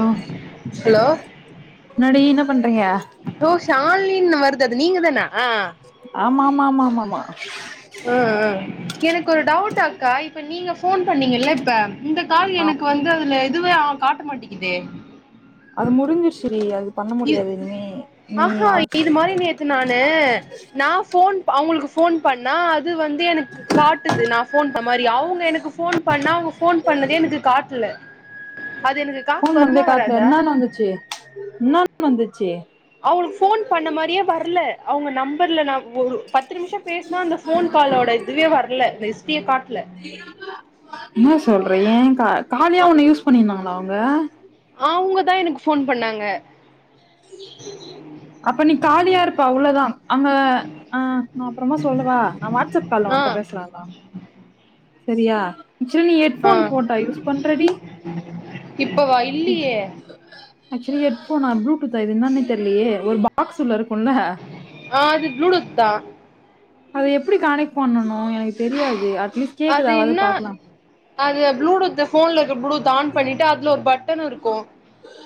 ஒ ஹலோ என்னாடி என்ன பண்றீங்க ஓ ஷாலினின் வருது அது நீங்க தானா ஆமா ஆமா ஆமா ஆமா ஆமா அ ஆ எனக்கு ஒரு டவுட் அக்கா இப்ப நீங்க ஃபோன் பண்ணீங்கல இப்ப இந்த கால் ஆ எனக்கு வந்து அதுல எதுவே அ காட்ட மாட்டிக்குதே அது முடிஞ்சிரிச்சுடி அது பண்ண இது முடியாது இனிமே நீ ஆஹா ஆ மாரி இது நேத்து நானு நா ஃபோன் அவுங்களுக்கு ஃபோன் பண்ணா அது வந்து எனக்கு காட்டுது நா ஃபோன் ப மாரி அவுங்க எனக்கு ஃபோன் பண்ணா அவுங்க ஃபோன் பண்ணதே எனக்கு காட்ல அது எனக்கு காசு ஃபோன் பண்ணதே வருமா காட்லயா வராதா இன்னானு வந்துச்சு இன்னானு வந்துச்சு அவுங்களுக்கு ஃபோன் பண்ண மாரியே வர்ல அவுங்க நம்பர்ல நா ஒ பத்து நிமிஷ பேசுனா அந்த ஃபோன் காலோட இதுவே வர்ல இந்த இஸ்ட்ரியே காட்ல இன்ன சொல்ற ஏ க காலியா உண்ண யூஸ் பண்ணிருதாங்களா அவுங்க அவுங்க தா எனக்கு ஃபோன் பண்ணாங்க அப்ப நீ காலியா இருப்பா அவ்ளோதா அங்க ஆஹ் நா அப்பறமா சொல்லவா நான் வாட்ஸ் அப் கால்ல ஆ உன்ட்ட பேசுற செரியா ஜுலி ஹெட்போன் போட்டா யூஸ் பண்றடி இப்ப வாயி ம் ஆக்சுலி ஹெட் ஃபோனா ப்ளூ டூத்தா இது என்னனே தெர்லயே ஒரு பாக்ஸ் உள்ள இருக்குல்ல ஆ அது ப்ளூ டூத் தா அத எப்டி கானக்ட் பண்ணனு எனக்கு தெரியாது அட்லீஸ்ட் அது கேக்குதாவது இன்னா பாக்கலா அதுல ப்ளூ டூத்ல போன்ல இருக்க ப்ளூத் ஆன் பண்ணிட்டு அதல ஒரு பட்டனு இருக்கு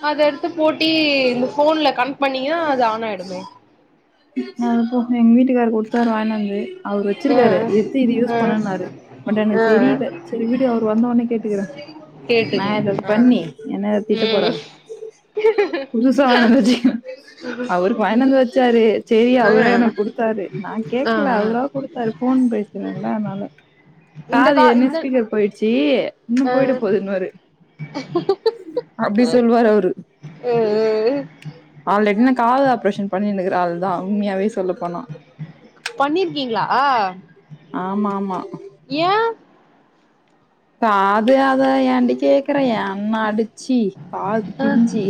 அத எடுத்து போட்டி இந்த போன்ல கனக்ட் பண்ணீங்கனா அது ஆன் ஆய்டுமே ம் அதுபோக எங்க வீட்டுக்காரு கொடுத்தாரு வேண்டான்டுருவே அவரு ஆ வச்சிருக்காரு எத்து இது ஆ யூஸ் பண்ணுனாரு பட் எனக்கு ஆ தெரில சரி விடு அவர் வந்த உடனே கேட்டுக்குறே நா கேட்டுங்க இத ஆ பண்ணி என்ன வேற திட்ட ம் போறாரு புதுசா வாங்கினு வந்தாச்சு அவரு வாய்ன்ட்டு வந்து வச்சாரு சேரி ஆ அவரே எனக்கு குடுத்தாரு நான் ஆ கேக்கல ஆ அவரா குடுத்தாரு ஃபோன் பேசனல அதனால இந்த காது கா ஏற்கனே இந்த ஸ்பீகர் போய்டுச்சி இன்னு போய்ட போதுன்னுவாரு ஹ அப்டி சொல்லுவாரு அவரு ம் ம் ம் அவ லெக்குன கால் ஆப்ரேஷன் பண்ணினுருகிற ஆள் தா உண்மயாவே சொல்ல போன பண்ணிருக்கீங்களா ஆம்மா ஆம்மா ஏன் காது அத ஏன்டி கேக்கற என் அண்ணா அடிச்சி காது பிஞ்சி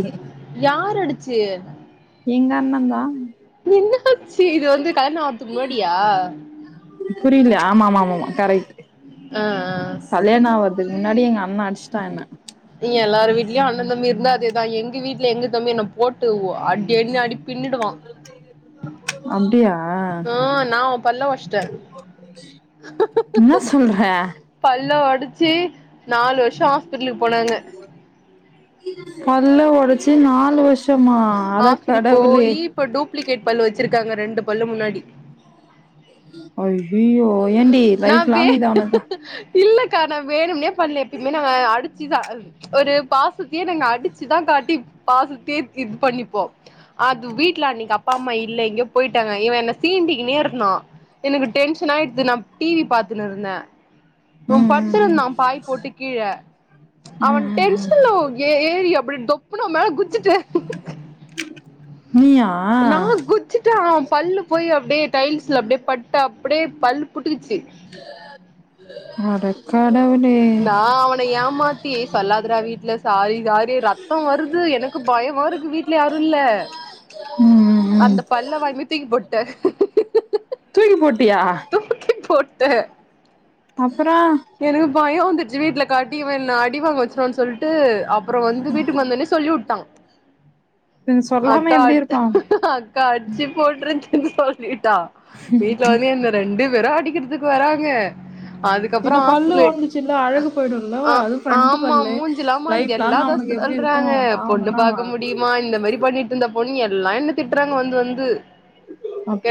யாரு அடிச்சி எங்க அண்ணன் தா என்னகா செய்து இது வந்து கல்யாணோ ஆவுறதுக்கு முன்னாடியா புரில ஆமா ஆமா ஆமாமா கரெக்ட் ஆ ஆ கல்யாணோ ஆவுறதுக்கு முன்னாடி எங்க அண்ண அடிஸ்ட்டா என்ன இங்க எல்லார் வீட்லயு அண்ண தம்பி இருந்தா அதேதா எங்க வீட்ல எங்க தம்பி என்ன போட்டு அடி அடினு அடிப் பின்னிடுவான் அப்டியா ஆ நா அவ பல்ல ஒடச்சிட்டே ன்ன சொல்ற பல்ல ஒடச்சு நாலு வருஷோ ஹாஸ்பிடலுக்கு போனாங்க பல்ல ஒடச்சு நாலு வருஷமா அடக் கடவுளே இப்போ டூப்ளிகேட் பல்லு வெச்சிருக்காங்க ரெண்டு பல்லு முன்னாடி அய்யிய்யோ நா வே இல்லக்கா நா வேணும்னே பண்ல எப்பயுமே நாங்க அடிச்சுதா ஒரு பாசத்தயே நாங்க அடிச்சுதா காட்டி பாசத்தயே இது பண்ணிப்போ அது வீட்ல அன்னிக்கு அப்பா அம்மா இல்ல எங்கேயோ போயிட்டாங்க இவன் என்ன சீண்டிகினே இருந்தான் எனக்கு டென்ஷன் ஆயிடுத்து நா டிவி பாத்துனு இருந்தே ம் இவன் ம் படுத்துனுருந்தா ம் பாய் போட்டு கீழ அவன் ம் ம் ம் டென்ஷன் ஆவுத ஏ ஏரியப் இப்டி தொப்புனு அவ மேல குச்சிட்ட நீயா நா குத் சுட்டு அவ பல்லு போய் அப்டியே டைல்ஸ்ல அப்டியே பட்டு அப்டியே பல்லு புட்டுக்குச்சு அடக்கடவுளே நா அவன ஏமாத்தி சொல்லாதரா வீட்ல சாரி சாரி எ ரத்தொ வருது எனக்கு பயமா இருக்கு வீட்ல யாரு இல்ல ம் ம் ம் அந்த பல்ல வாங்கி தூக்கி போட்ட தூக்கி போட்டியா தூக்கி போட்ட அப்பறோ எனக்கு பயொ வந்துருச்சு வீட்ல காட்டி இவ என்ன அடிவாங்க வெச்சிருவான் சொல்ட்டு அப் அப்பறோ வந்து வீட்டுக் வந்தொட்னே சொல்லிவுட்டாங் இது சொல்லாம அக்கா எப்டி இருப்பா அத் அடிச்சு போட்ருச்சுன் சொல்லிட்டா வீட்ல வந்து என்ன ரெண்டு பேரு அடிகறதுக் வராங்க பின்ன அதுக்கப்பறோ பல்லு ஹாஸ்பிட்லு ஒடஞ்சிச்சுல்ல அழகு போயிடுல்ல ஆ அதுவு ஃப்ரண்ட் ஆமா பல்லு மூஞ்சுலா லைஃப் எல்லா லாங் அதா அவனுக்கு எப்டி இருக்கு சொல்றாங்க பாவோ பொண்ணு தான அவ பாக்க முடியு மா இந்த மாரி பண்ணிட்டு இந்த பொண்ணு எல்லா என்ன திட்றாங்க வந்து வந்து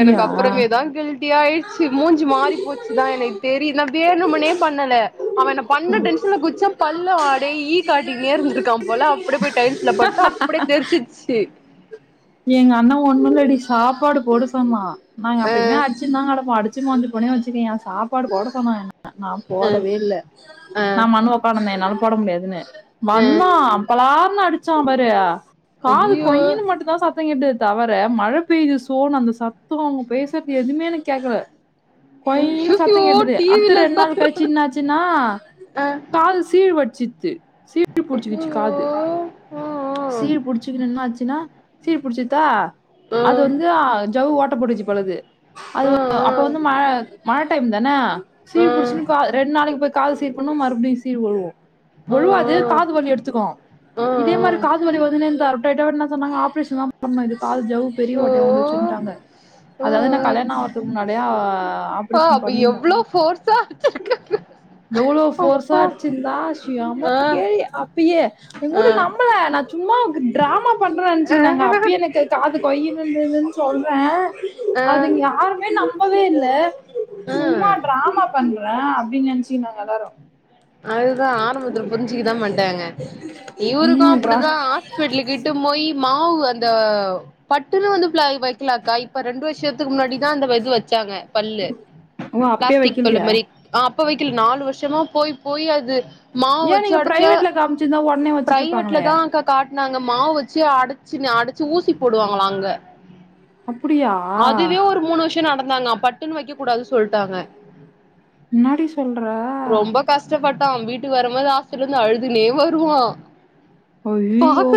எனக்கு அப்புறமேதா கில்ட்டியா ஆய்ர்ச்சு மூஞ்சு மாறி போச்சுதா எனக் தெரி நா வேணுமனே பண்ணல அவ என்ன பண்ண டென்ஷன்ல குத் சம் பல்லு ஆட ஈ காட்டினே இருந்திருக்கா போல அப்டியே போய் டைல்ஸ்ல பட்டு அப்டியே தெரிச்சிர்ச்சு எங்க அண்ணா ஒன்னு இல்லடி சாப்பாடு போட சொன்னா நாங்க ஆ அப்பயுமே அடிச்சுனுதாங்கடப்போ அடிச் சும்மா வந்து போனே வெச்சுக்கயே சாப்பாடு போட சொன்னா என்ன நா ஆ போடவே இல்ல நா ஆ மனுவ போங்கண்ணே என்னால போட முடியாதுன்ன ஆ வந்தா பளார்னு அடிச்சா பாரு காது ஐயோ கொய்யினு மட்டுந்தா சத் தே கேட்டது தவர மழ பெய்து சோனு அந்த சத்தொ அவுங்க பேசறது எதுமே எனக் கேக்கல கொய்யினு ஐயோ சத்தோ கேட்டது அடுத்த டிவில ரெண் நாள் கழிச்சி சொல்ற என்னாச்சுனா ஆ காது சீ வடிச்சிச்சி சீ ஐயோ புடிச்சுக்கிச்சு காது ஆ சீ புடிச்சு என்னா ஆச்சுனா சீ புடிச்சிதா அது ஆ வந்து ஜவ்வு ஓட்ட போட்டுச்சு போலக்குது அது அப்ப வந்து ம மழ டைம்தான சீ புடிச்சினு கா ரெண் நாளைக் போய் காது சீ பண்ண மறுபுடியு சீ ஒழுவு ஒழுவாது காது வலி எடுத்துக்கோ இதே மாரி காது வலி வந்தினே இருந்தா அப்டெட் என்ன சொன்னாங்க ஆப்ரேஷன் தான் இது காது ஜவ்வு பெரிய ஷோ ஓட்டையா வந்துச்சுருன்ட்டாங்க அதாது நா கல்யாண ஆவரதுக்கு முன்னாடியே ப்பா ஆப்ரேஷன் அப்ப பண்ணினு எவ்ளோ ஃபோர்ஸா அடிச்சிருக்காங்க எவ்ளோ ஃபோர்ஸா அப்பா அட்சிருந்தா செமா ஆ கே அப் பயே எங்க ஆ ஊடு நம்பல நா சும்மா ட்ராமா பண்றேன் ஆ நாங்க அப்பயே எனக்கு காது கொய்ன்னு இருந்ததுன் சொல்றே ஆ அதுங்க யாருமே நம் பவே இல்ல ஆ சும்மா ட்ராமா பண்றே அப்டின் நெனச்சிக்டாங்க எல்லாரு அதுதா ஆரம்பத்துல புரிஞ்சிக்கதா மாட்டாங்க இவுருக்கு ம் டிரா அப்டிதா ஹாஸ்பிட்லுக்கு இட் போய் மாவு அந்த பட்டுனு வந்து வைக்கலாக்கா இப்ப ரெண்டு வர்ஷத் துக்கு முன்னாடிதா அந்த இது வெச்சாங்க பல்லு ஓ அப்பயே ப்ளாஸ்டிக் பல்லு வைக்கலையா மாரி அப்ப வெக்கல நாலு வர்ஷமா போய் போய் அது மாவு ஏன் வெச்சு நீங்க அடிச்சா பிரைவேட்ல காமிச்சிருந்தா உடனே வச்சுட்டு இருப்பாங்களே ப்ரைவேட்லதா க காட்னாங்க மாவு வெச்சு அடச்சு அடச்சு ஊசி போடுவாங்ளா அங்க அப்படியா அதுவே ஒரு மூணு வருஷ நடந்தாங்க பட்டுன்னு வைக்க கூடாது சொல்ட்டாங்க என்னாடி சொல்ற கஷ்டப்பட்டோ வீட்டுக்கு வரும்போது ஆஸ்பிடல இருந்து அழுதுனே வருவோ ஐயய்யோ! பாக்க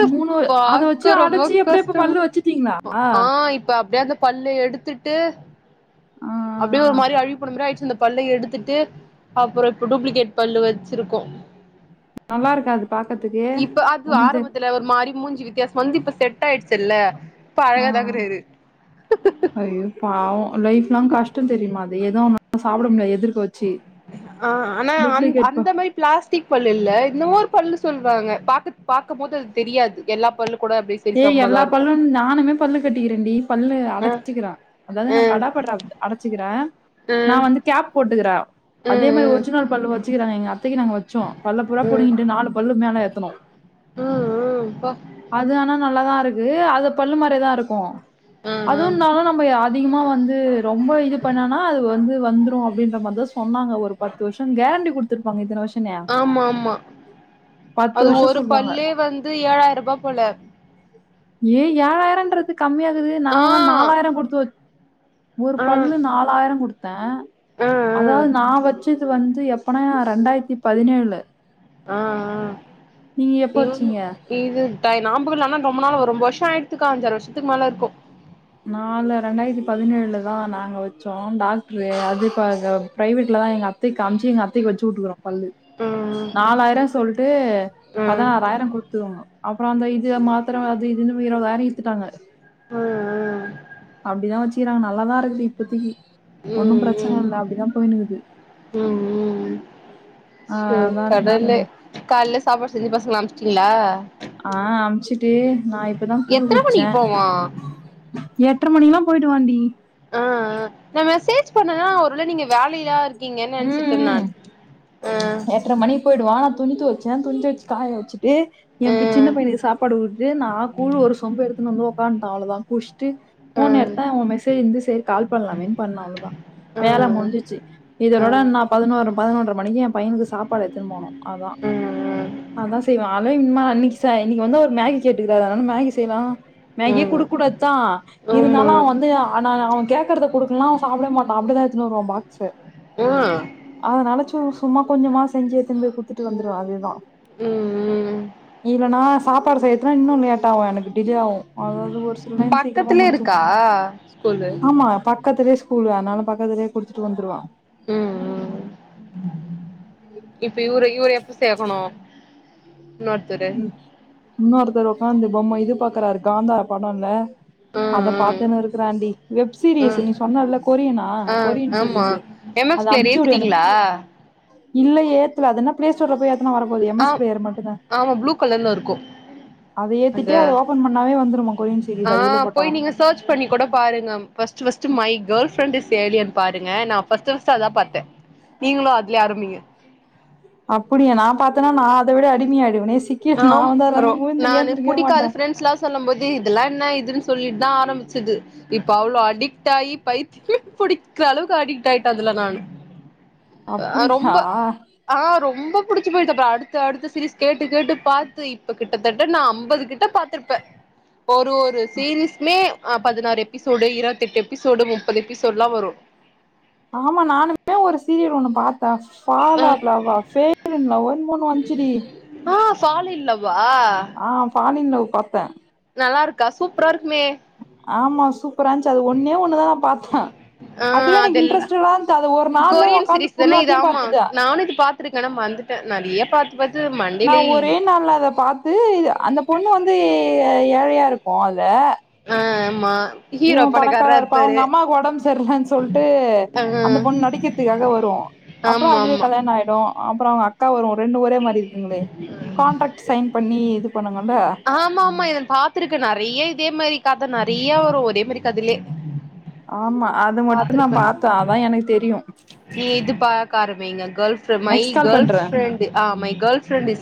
அத வச்சு பாக்க ரொம்ப அடச்சு அப்படியே இப்ப கஷ்டம் பல்லு வச்சுட்டீங்களா? ஆ இப்ப அப்படியா பல்லு எடுத்துட்டு அப்டி ஒரு மாரி அழிவு போற மாரி ஆயிடுச்சு இந்த பல்ல எடுத்துட்டு அப்பற இப்ப டூப்ளிகேட் பல்லு வச்சிருக்கோ நல்லாருக்கா அது பாக்றதுக்கு ஒண்ணு தெ ல ஒரு மாறி மூஞ்சி வித்தியாச வந்து இப்ப செட் ஆயிடுச்சல்ல இப்ப ஆ. அழகா தா இருக்குறாரு ஐயோ பாவோ லைஃப்லா கஷ்ட தெரியுமா அது எதோ [inaudible] சாப்பட முடியாது எதிர்க்க வச் ஆ ஆனா அந்த ப அந்த மாரி பிளாஸ்டிக் பல்லு இல்ல இன்னமோரு பல்லு சொல்லுவாங்க பாக்க பாக்கும் போது அது தெரியாது எல்லா பல்லு கூட சரி ஏய் எல்லா சமமாதா இருக்கு பல்லு நானுமே பல்லு கட்டிக்கிறேண்டி பல்லு ஆ அடைச்சுக்கிற அதாவது நா ஆ கடாப்பல்லு அப் அடடச்சுக்கிறே ஆ நா ம் வந்து கேப் போட்டுக்கிறே ம் அதே மாரி ஒரிஜினல் பல்லு வச்சுக்கிறேங்க எங்க அத்தைக்கு நாங்க வச்சோ பல்ல பூரா ம் புடுங்கிட்டு நாலு பல்லு மேல ஏத்தணோ ம் ம் ப அது ஆனா நல்லாதா இருக்கு அது பல்லு மாரி தா இருக்கு ம் அதுவு ம் இருந்தாலு நம்ம அதிகமா வந்து ரொம்ப இது பண்ணனா அது வந்து வந்துரு அப்படின்ற மாரி தா சொன்னாங்க ஒரு பத்து வருஷ கேரண்டி குடுத்துருப்பாங்க இத்தனை வருஷ ஆமா ஆமா பத்து அது வருஷோ ஒரு சொல்வாங்க பல்லே வந்து ஏழாயிரூபா போல ஏ ஏழாயிரம்ன்றது கம்மியா இர்குது ஆ நாங்கல்லா நாலாயிர குடுத்து வச் ஒரு ஆ ஆ பல்லு நாலாயிர குடுத்தே அதாவது நா வச்சு இது வந்து எப்பனாா ரெண்டாயிரத்தி பதினேழுல ஆ ஆ எப்ப இவன் வச்சீங்க இது ட்டாய் நா [unintelligible] ரொம்ப நாளா ஒரு ரொம்ப வருஷ ஆயிருச்சுக்கா அஞ்சாரு வருஷத்துக்கு மேல இருக்கு நாலு ரெண்டாயிரத்தி பதினேழுல தா நாங்க வச்சோ டாக்டரு அது இப்ப அ ப்ரைவேட்ல தா எங்க அப் கத்தை காமிச்சுங் எங்கத்தைக்கு வச்சு வுட்டுருக்குறோ பல்லு ம் நாலாயிர சொல்ட்டு ம் பதினாறாயிர குடுத்துர்னு அப்பற அந்த இது மாத்திர அது இதுன்னு இருபதாயிர இழுத்துட்டாங்க ம் ம் அப்படிதா வச்சுக்கிறாங்க நல்லாதா இருக்குது இப்பத்தக்கி ம் ஒன்னும் பிரச்சன ம் இல்ல அப்டிதா போயினுகுது ம் ம் ஆ சோ அதா நீங்க கடவுளே சொல்லு காலைல சாப்பாடு செஞ்சு பசங்கலா அனுச்சிட்டீங்களா ஆ அமுச்சுட்டு நா இப்பதா கூழ் எத்தன குடிச்சே மணிக்கு போவா எட்ற மணில்லா போய்டு வாண்டி ஆ ஆ நா மெசேஜ் பண்ணேனா ஒருவேள நீங்க வேலையா இரு க்கிங்கன்னு நெனச்சிட்ட நா ஆ எட்டற மணி போயிடுவோ நா துணி தொவச்ச துணி தொவச்சு காய வச்சு ட்டு ஆ என் சின்ன பையனுக்கு சாப்பாடு விட்டு நா கூழ் ஒரு சொம்ப எடுத்துன்னு வந்து ஒக்கான்டே அவ்ளதா குஷ்ட்டு ஆ ஆ போன் எடுத்தா அவ மெசேஜ் இருந்து சரி கால் பண்ணலாமேன்னு பண்ண அவ்ளோதா வேலை முடிஞ்சிச்சு ஆ ஆ இதோட நா பதினோரு பதினொன்றரை மணிக்கு எ பையனுக்கு சாப்பாடு எடுத்துன்னு போனு அதா அதா செய்வ அவ இம்மா இன்னைக்கு செ இன்னைக்கு வந்து ஒரு மேகி கேட்டுக்கறாரு அதனால மேகி செய்யலா மேகியே ஆ குடுக்க கூடாதுதா ஆமா இருந்தாலு அவ வந்து ஆனா அவ கேக்குறத குடுக்கலனா அவ சாப்பட மாட்டா அப்படிதா எடுத்துனுவருவா பாக்ஸ்ஸ உ அதனால சு சும்மா கொஞ்சமா செஞ்சு ஏத்துனு போய் குத்துட்டு வந்துருவே அதுக்குதா ம் ம் இல்லனா சாப்பாடு செய்யறதுனா இன்னு லேட் ஆவு எனக்கு டிலே ஆவு அதது ஒரு த்துருவேன் சீக்கிரமா பக்கத்துலே முடிச்சு இருக்கா ஸ்கூலு ஆமா பட் பக்கத்துலயே ஸ்கூல் அதனால பக்கத்துலே குடுத்துட்டு வந்துடுவா ம் ம் இப்ப இவ்ர இவ்ர எப்ப சேக்கணு நோட்த்ற இன்னொருத்தடவ உக்காந்து பொம்ம எதிர்பாக்குறாரு காந்தா படொல ஆ அத பார்த்துனே இருக்கறான்டி வெப் சீரீஸ் ம் நீ சொன்னல கொரியனா கொரியன் சீரிஸ் ஆமா ஆ எம் எஸ் பிளேயர் ஏத்திட்டீங்களா இல்ல ஏத்துல அதுன்னா பிளேஸ்டோர்ல போய் ஏத்துனா வர போது எம் ஆ எஸ் பிளயர் மட்டு்ந்தா ஆமா ப்ளூ கலர்ல இருக்கு அத ஏத்திட்டு அந்த அது ஓபன் பண்ணாவே வந்துருமா கொரியன் ஆ சீரிஸ் அது உள்ள போட்டா போய் நீங்க சர்ச் பண்ணி கூட பாருங்க first first my girlfriends alien பாருங்க நா ஃபர்ஸ்ட் ஃபர்ஸ்ட் அதுதா பாத்த நீங்களு அதுலே ஆரம்பிங்க அப்டியா நா பாத்தனா நா அதவிட அடிமை ஆய்டுவனே சி ராம் ரோ நானு புடிக்காது ஃப்ரெண்ட்ஸ்லா சொல்லும் போது இதெல்லா என்ன இதுன் சொல்லிட்டுதா ஆரம்பிச்சுது இப்ப அவ்ளோ அடிக்ட் ஆயி பைத்தியம் புடிக்கிற அளவுக்கு அடிக்ட் ஆயிட்ட அதுல நானு ஆ ரொம்ப அப்படியா ஆ ரொம்ப புடிச்சு போயிட்ச்சி அப்றொ அடுத்த அடுத்து சீரீஸ் கேட்டு கேட்டு பாத்து இப்ப கிட்டதட்ட நா அம்பது கிட்ட பாத்திருப்ப ஒரு ஒரு சீரீஸ்மே ஆ பதினாறு எபிசோடு இருவத்தெட்டு எபிசோடு முப்பது எபிசோட்லா வரு ஆமா நானுமே ஒரு சீரியல் ஒண்ணு பாத் ப ஆ ஃபார்மட் லவ்வா பிரெமின் லவ்வா என்னமோ ஒன்னு வன்ச்சு டீ ஆ ஃபால் இன் லவ்வா ஆ ஃபாலின் லவ் பாத்த நல்லாருக்கா சூப்ரா இருக்குமே ஆமா சூப்பரான்ச் அது ஒன்னே ஒண்ணுதா நா பாத்த ஆ அதுவே எனக்கு அதெல்லா இன்ட்ரெஸ்டடா இருந்தது அது ஒரு நாள்யே கொரியன் ஒக்காந்து ஃபுல்லாத்தயு பாத்துட்ட பாத்துருக்கேனா மறந்துட்ட நறிய பாத்து டெட்ர்மன் நா ஒரே நாள்ல அத பாத்து அந்த பொண்ணு வந்து ஏழையா இருப்பா அதுல அ ஆமா இவ ஹீரோ பணக்காரா பணக்காரரா இருப்பா இருப்பாரு அவ்ங்க அம்மாக்கு ஒடம்பு சரியில்லன் சொல்ட்டு ஆ அந்த பொண்ணு நடிக்கிறதுக்காக வரு அப்றொ ஆமா அதுவே ஆமா கல்யாணொ ஆய்டு அப்றொ அவங்க அக்கா வரு ரெண்டு ஒரே மாதிரி இருக்குங்களே கான்ட்ராக்ட் சைன் பண்ணி இது பண்ணுங்கல ஆமா ஆமா இதன் பாத்ருக்கே நறைய இதே மாரி கத நறைய வரு ஒரே மாரி கதைலயே ஆமா அது மட்டு நா பாத்த அதா எனக்கு தெரியு நீ இது பாக்க ஆரம்பிங்க girl ஃப்ர my next call girl பண்றே ஃபிரெண்ட் ஆ மை கேர்ள் ஃப்ரெண்ட் இஸ்